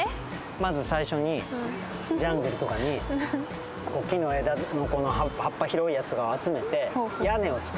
まず最初にジャングルとかに木の枝の葉っぱ広いやつとかを集めて屋根を作るのね。